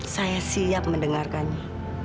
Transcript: saya siap mendengarkannya